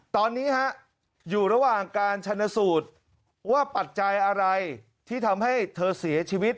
ตอนนี้อยู่ระหว่างการชนสูตรว่าปัจจัยอะไรที่ทำให้เธอเสียชีวิต